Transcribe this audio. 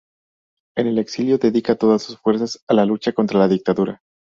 En el exilio dedica todas sus fuerzas a la lucha contra la dictadura.